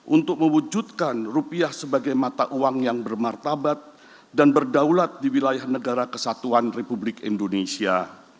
untuk mewujudkan rupiah sebagai mata uang yang bermartabat dan berdaulat di wilayah negara kesatuan republik indonesia